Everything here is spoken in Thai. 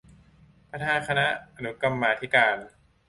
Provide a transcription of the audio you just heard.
ประธานคณะอนุกรรมาธิการ